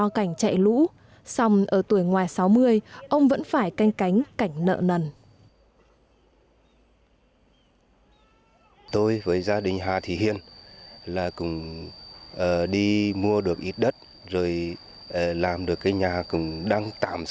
cảnh chạy lũ xong ở tuổi ngoài sáu mươi ông vẫn phải canh cánh cảnh nợ nần